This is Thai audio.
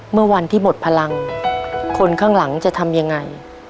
เมื่อวันที่หมดพลังคนข้างหลังจะทำยังไง